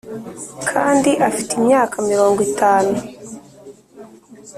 kandi afite imyaka mirongo itanu